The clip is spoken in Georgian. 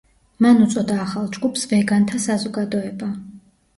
მან უწოდა ახალ ჯგუფს ვეგანთა საზოგადოება.